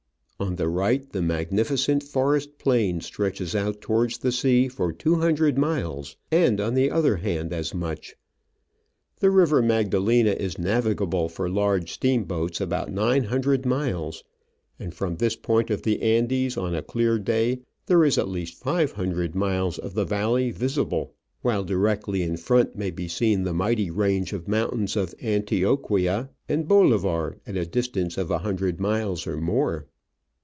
On the right the magnificent forest plain stretches out towards the sea for two hundred miles, and on the other hand as much. The river Magdalena is navigable for large steamboats about nine hundred miles, and from this point of the Andes on a clear day there is at least five hundred miles of the valley visible, while directly in front may be seen the mighty range of mountains of Antioquia and Bolivar at a distance of a hundred miles more.